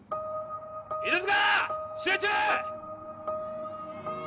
犬塚集中！